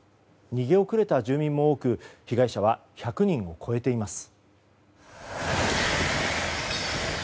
逃げ遅れた住民も多く被害者は１００人を超えています。